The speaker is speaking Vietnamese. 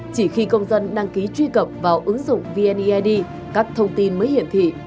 chỉ khi công dân đăng ký truy cập vào ứng dụng vneid các thông tin mới hiển thị